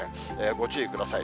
ご注意ください。